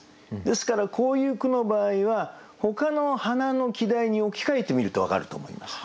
ですからこういう句の場合はほかの花の季題に置き換えてみると分かると思います。